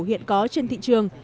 hiện có trên thị trường